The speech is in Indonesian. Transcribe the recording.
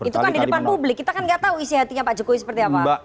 itu kan di depan publik kita kan nggak tahu isi hatinya pak jokowi seperti apa